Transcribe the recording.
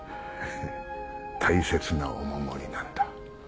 大切なお守りなんだ。